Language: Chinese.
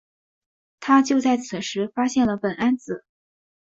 他就在此时发现了苯胺紫。